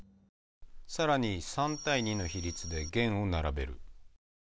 更に３対２の比率で弦を並べる。